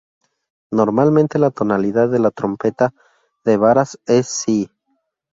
Normalmente la tonalidad de la trompeta de varas es "si".